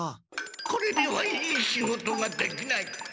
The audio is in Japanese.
これではいい仕事ができない。